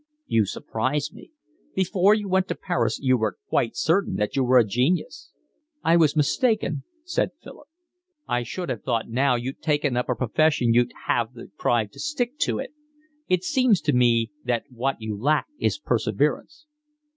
"You surprise me. Before you went to Paris you were quite certain that you were a genius." "I was mistaken," said Philip. "I should have thought now you'd taken up a profession you'd have the pride to stick to it. It seems to me that what you lack is perseverance."